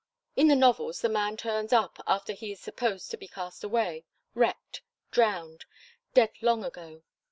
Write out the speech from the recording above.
In the novels the man turns up after he is supposed to be cast away wrecked drowned dead long ago.